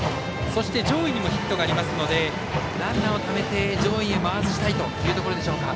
そして上位にもヒットがありますのでランナーをためて上位へ回したいというところでしょうか。